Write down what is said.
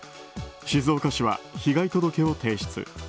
静岡市は被害届を提出。